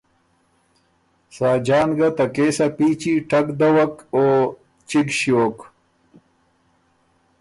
ساجان ګه ته کېس ا پیچی ټک دَوَک او چِګ ݭیوک